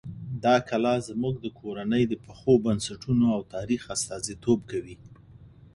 دا کلا زموږ د کورنۍ د پخو بنسټونو او تاریخ استازیتوب کوي.